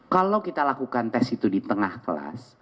kalau kita lakukan tes itu di tengah kelas